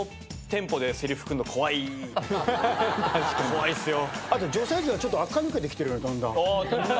怖いっすよ。